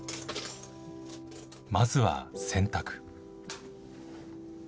まずは洗濯。